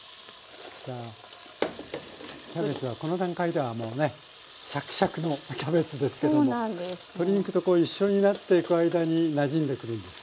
キャベツはこの段階ではもうねシャキシャキのキャベツですけども鶏肉とこう一緒になっていく間になじんでくるんですね。